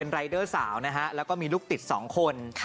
รายเดอร์สาวนะฮะแล้วก็มีลูกติด๒คน